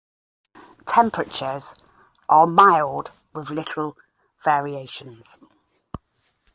Temperatures are mild with little variations.